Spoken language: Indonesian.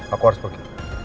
aku harus pergi